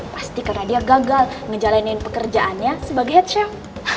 pasti karena dia gagal ngejalanin pekerjaannya sebagai head chef